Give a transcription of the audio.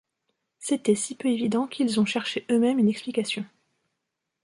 C'était si peu évident qu'ils ont cherché eux-mêmes une explication.